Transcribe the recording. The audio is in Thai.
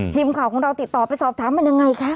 ทีมข่าวของเราติดต่อไปสอบถามมันยังไงคะ